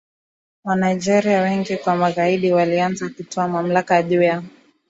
Wanigeria wengi kuwa magaidi walianza kutwaa mamlaka juu ya